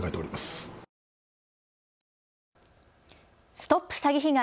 ＳＴＯＰ詐欺被害！